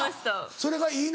それがいいの？